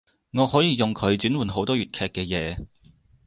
我可以用佢轉換好多粵劇嘅嘢